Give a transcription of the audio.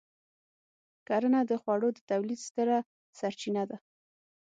کرنه د خوړو د تولید ستره سرچینه ده.